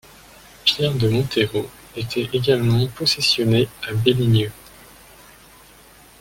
Pierre de Montherot était également possessionné à Béligneux.